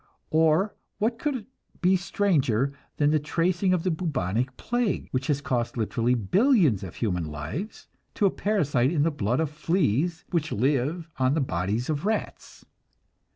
Or what could be stranger than the tracing of the bubonic plague, which has cost literally billions of human lives, to a parasite in the blood of fleas which live on the bodies of rats!